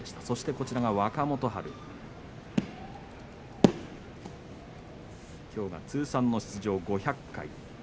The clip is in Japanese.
そして若元春、きょうは通算出場５００回。